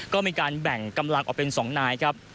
ก็มีการแบ่งกำลังออกเป็น๒นายครับ